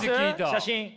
写真。